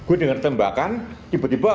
gua denger tembakan ibu tersembak